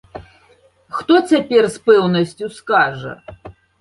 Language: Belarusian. Хто цяпер з пэўнасцю скажа?